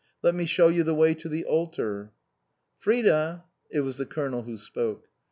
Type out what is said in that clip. Let me show you the way to the altar." " Frida !" It was the Colonel who spoke.